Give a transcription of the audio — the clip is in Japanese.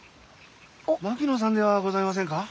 槙野さんではございませんか？